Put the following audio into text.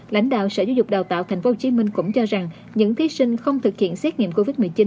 lãnh đạo sở giáo dục đào tạo tp hcm cũng cho rằng những thí sinh không thực hiện xét nghiệm covid một mươi chín